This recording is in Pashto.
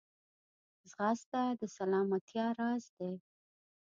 ځغاسته د سلامتیا راز دی